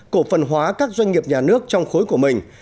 cổ phần hóa các doanh nghiệp nhà nước trong khối của mình